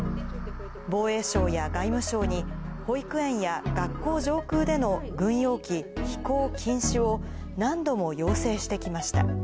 防衛省や外務省に、保育園や学校上空での軍用機飛行禁止を、何度も要請してきました。